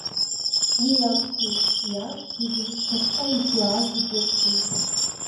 Уи акәхеит, иаақәгьежьын шьҭахьҟа излааз идәықәлеит.